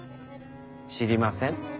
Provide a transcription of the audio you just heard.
知りません。